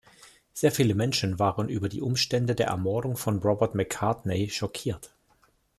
Sehr viele Menschen waren über die Umstände der Ermordung von Robert McCartney schockiert.